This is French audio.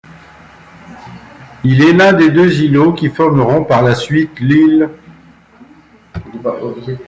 Il est l'un des deux îlots qui formeront par la suite l'Île.